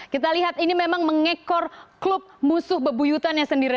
kita lihat ini memang mengekor klub musuh bebuyutannya sendiri